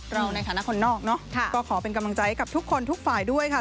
เราในฐานะคนนอกเนอะก็ขอเป็นกำลังใจกับทุกคนทุกฝ่ายด้วยค่ะ